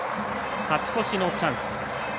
勝ち越しのチャンス。